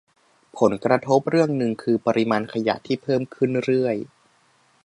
ผลกระทบเรื่องหนึ่งคือปริมาณขยะที่เพิ่มขึ้นเรื่อย